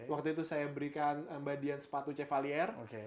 waktu itu saya berikan mbak dian sepatu cefalier